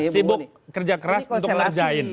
sibuk kerja keras untuk ngerjain